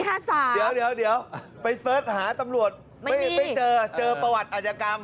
ไปเซิร์ชหาตำรวจไม่มีเจอประวัติอาจกรรม